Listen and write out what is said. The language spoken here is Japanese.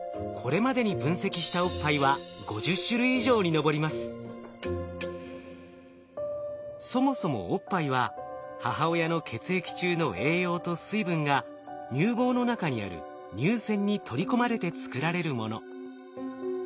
これまでに分析したおっぱいはそもそもおっぱいは母親の血液中の栄養と水分が乳房の中にある乳腺に取り込まれて作られるもの。